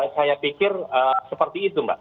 saya pikir seperti itu mbak